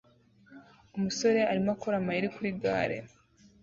Umusore arimo akora amayeri kuri gare